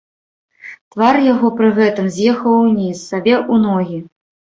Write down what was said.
Твар яго пры гэтым з'ехаў уніз, сабе ў ногі.